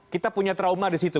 kita punya trauma di situ